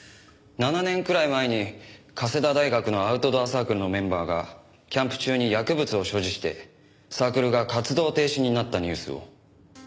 ７年くらい前に加世田大学のアウトドアサークルのメンバーがキャンプ中に薬物を所持してサークルが活動停止になったニュースを。